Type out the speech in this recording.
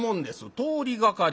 「通りがかり？